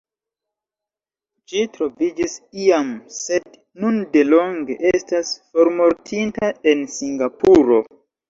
Ĝi troviĝis iam sed nun delonge estas formortinta en Singapuro.